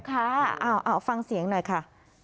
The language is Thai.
ค่ะอ้าวฟังเสียงหน่อยค่ะ